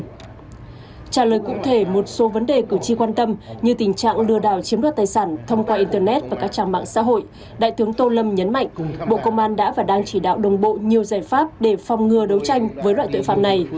trả lời cụ thể một số vấn đề cử tri quan tâm như tình trạng lừa đảo chiếm đoạt tài sản thông qua internet và các trang mạng xã hội đại tướng tô lâm nhấn mạnh bộ công an đã và đang chỉ đạo đồng bộ nhiều giải pháp để phòng ngừa đấu tranh với loại tội phạm này